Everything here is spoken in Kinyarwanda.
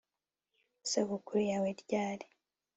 isabukuru yawe ryari